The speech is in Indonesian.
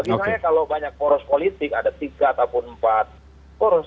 bagaimana kalau banyak koros politik ada tiga ataupun empat koros